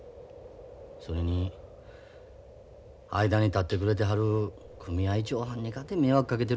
それに間に立ってくれてはる組合長はんにかて迷惑かけてるし。